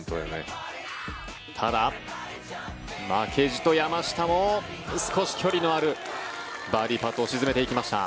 ただ、負けじと山下も少し距離のあるバーディーパットを沈めていきました。